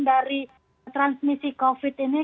dari transmisi covid ini